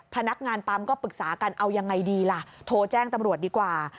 พนักงานปั๊มก็ปรึกษากันเอายังไงดีล่ะโทรแจ้งตำรวจดีกว่า